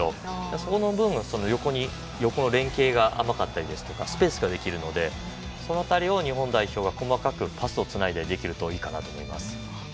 そこの分、横の連携が甘かったりスペースができるのでその対応を日本代表が細かくパスをつなげばいいと思います。